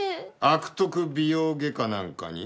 悪徳美容外科なんかに？